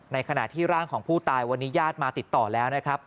ขณะที่ร่างของผู้ตายวันนี้ญาติมาติดต่อแล้วนะครับ